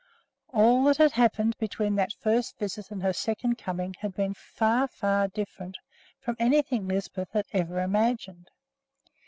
All that had happened between that first visit and her second coming had been far, far different from anything Lisbeth had ever imagined.